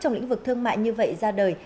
trong lĩnh vực thương mại như vậy ra đời